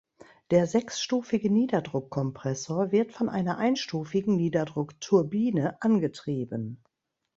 Der sechsstufige Niederdruck-Kompressor wird von einer einstufigen Niederdruckturbine angetrieben.